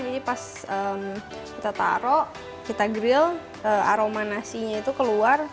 jadi pas kita taruh kita grill aroma nasinya itu keluar